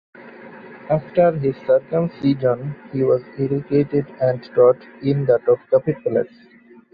After his circumcision he was educated and taught in the Topkapi Palace.